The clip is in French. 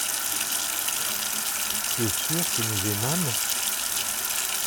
Tu es sûr que nous aimâmes.